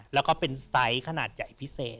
แล้วก็เป็นไซส์ขนาดใหญ่พิเศษ